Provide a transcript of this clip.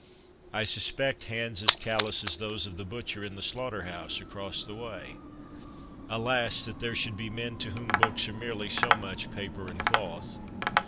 I suspect hands as callous as those of the butcher in the slaughter house across the way. Alas ! that there should be men to whom books are merely so much paper and cloth.